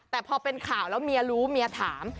แต่พอเป็นข่าวแล้วเมียรู้เมียถาม